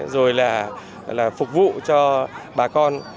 rồi là phục vụ cho bà con